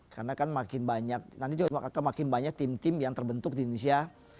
karena kan makin banyak nanti juga makin banyak tim tim yang terbentuk di indonesia